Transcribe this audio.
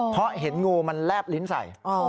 เพราะเห็นงูมันแลบลิ้นใส่